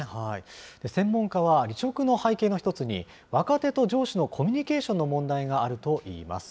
専門家は、離職の背景の一つに、若手と上司のコミュニケーションの問題があるといいます。